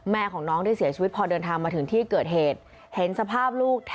แม่ของน้องได้เสียชีวิตพอเดินทางมาถึงที่เกิดเหตุ